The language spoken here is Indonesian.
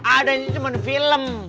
adanya cuma di film